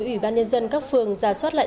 ủy ban nhân dân các phường giả soát lại